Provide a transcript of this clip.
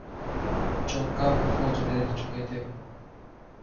چونکہ وہ فوج میں رہ چکے تھے۔